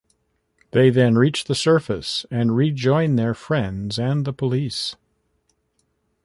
They then reach the surface and rejoin their friends and the police.